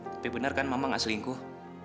tapi benar kan mama gak selingkuh